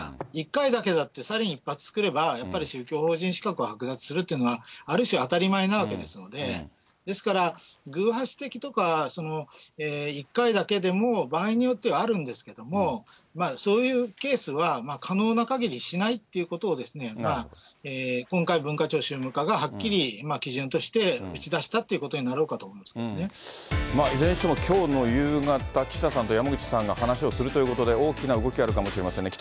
１回だけだってサリン一発作れば、やっぱり宗教法人資格を剥奪するというのは、ある種当たり前なわけですので、ですから、偶発的とか、その１回だけでも、場合によってはあるんですけども、そういうケースは可能なかぎりしないということを、今回、文化庁宗務課がはっきり基準として打ち出したということになろういずれにしてもきょうの夕方、岸田さんと山口さんが話をするということで、大きな動きがあるかもしれませんね。